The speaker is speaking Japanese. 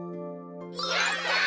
やった！